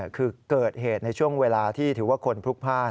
คือเกิดเหตุในช่วงเวลาที่ถือว่าคนพลุกพลาด